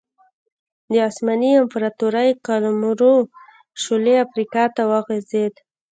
د عثماني امپراتورۍ قلمرو شولې افریقا ته وغځېد.